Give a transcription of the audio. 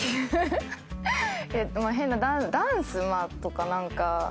えっと変なダンスとか何か。